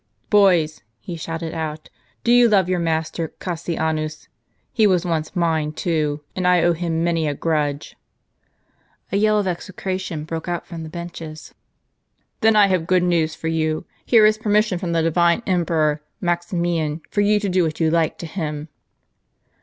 " Boys !" he shouted out, " do you love your master Cas sianus ? He was once mine too, and I owe him many a grudge." A veil of execration broke out from the benches. " Then I have good news for you ; here is permission from the divine emperor Maximian for you to do what you like to Mm."